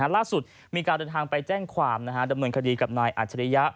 ล่าสุดมีการเดินทางไปแจ้งความดำเนินคดีกับนายอัจฉริยะ